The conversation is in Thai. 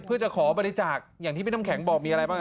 เพื่อจะขอบริจาคอย่างที่พี่น้ำแข็งบอก